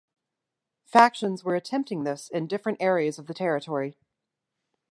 Factions were attempting this in different areas of the territory.